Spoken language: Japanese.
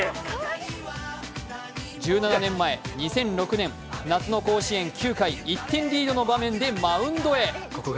１７年前、２００６年夏の甲子園９回、１点リードの場面でマウンドへ。